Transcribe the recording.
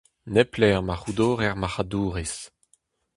Nep lec'h ma c'houdorer marc'hadourezh.